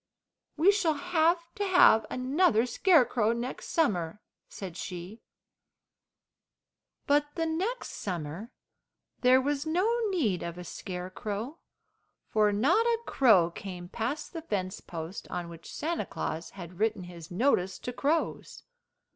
"We shall have to have another scarecrow next summer," said she. But the next summer there was no need of a scarecrow, for not a crow came past the fence post on which Santa Claus had written his notice to crows.